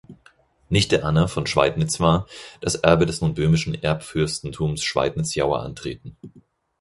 Nichte Anna von Schweidnitz war, das Erbe des nun böhmischen Erbfürstentums Schweidnitz-Jauer antreten.